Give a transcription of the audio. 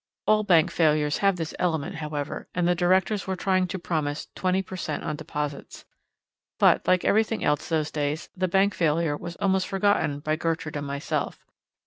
All bank failures have this element, however, and the directors were trying to promise twenty per cent. on deposits. But, like everything else those days, the bank failure was almost forgotten by Gertrude and myself.